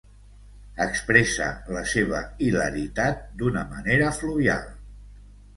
Expressa la seva hilaritat d'una manera fluvial.